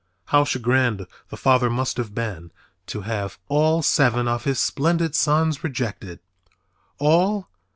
How chagrined the father must have been to have all seven of his splendid sons rejected! All?